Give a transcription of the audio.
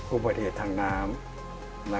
อุบัติเหตุทางน้ำ